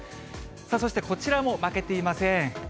そしてこちらも負けていません。